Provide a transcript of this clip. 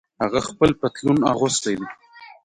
هغه خپل پتلون اغوستۍ دي